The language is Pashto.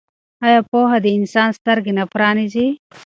آیا پوهه د انسان سترګې نه پرانیزي؟